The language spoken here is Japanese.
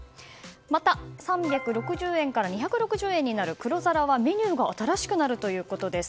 また、３６０円から２６０円になる黒皿はメニューが新しくなるということです。